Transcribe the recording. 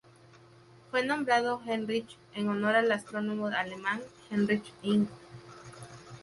Fue nombrado Heinrich en honor al astrónomo alemán Heinrich Inge.